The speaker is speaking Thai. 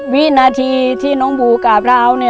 วินาทีที่น้องโบกาเกลา